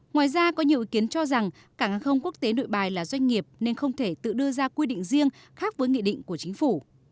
ngoài ra có nhiều ý kiến cho rằng cảng hàng không quốc tế nội bài là doanh nghiệp nên không thể tự đưa ra quy định riêng khác với nghị định của chính phủ